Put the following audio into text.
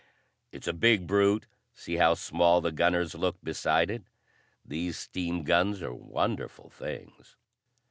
"It's a big brute: see how small the gunners look beside it? These steam guns are wonderful things."